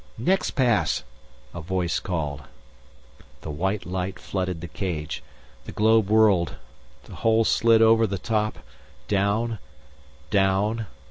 "Next pass," a voice called. The white light flooded the cage. The globe whirled; the hole slid over the top, down, down....